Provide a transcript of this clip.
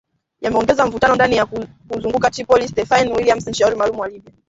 yameongeza mvutano ndani na kuzunguka Tripoli Stephanie Williams mshauri maalum kwa Libya